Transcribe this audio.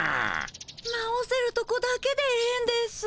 直せるとこだけでええんです。